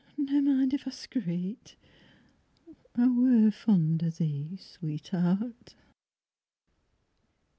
ne'er mind if I scraight I wor fond o' thee, Sweetheart.